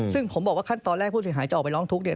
ซึ่งผมบอกว่าขั้นตอนแรกผู้เสียหายจะออกไปร้องทุกข์เนี่ย